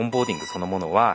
そのものは。